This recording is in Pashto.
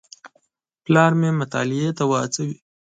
پلار مې مطالعې ته هڅوي.